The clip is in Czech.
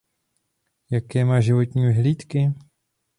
Jaké má životní vyhlídky?